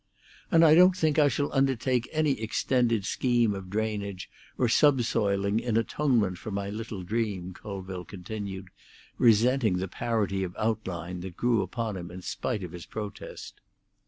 "And I don't think I shall undertake any extended scheme of drainage or subsoiling in atonement for my little dream," Colville continued, resenting the parity of outline that grew upon him in spite of his protest.